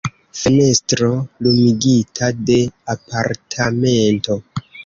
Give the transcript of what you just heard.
Fenestro lumigita de apartamento.